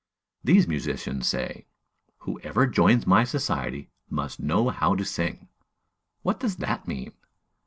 These musicians say: "Whoever joins my society must know how to sing!" What does that mean?